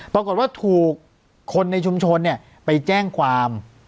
ปรากฏว่าถูกคนในชุมชนไปแจ้งความ